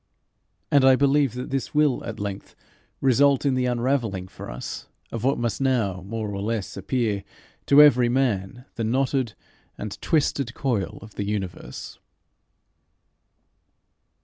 And I believe that this will at length result in the unravelling for us of what must now, more or less, appear to every man the knotted and twisted coil of the universe.